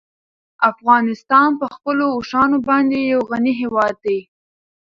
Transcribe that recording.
افغانستان په خپلو اوښانو باندې یو غني هېواد دی.